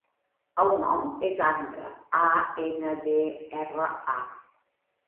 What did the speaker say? El nom és Andra: a, ena, de, erra, a.